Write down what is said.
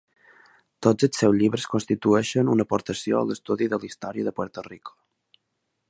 Tots els seus llibres constitueixen una aportació a l'estudi de la història de Puerto Rico.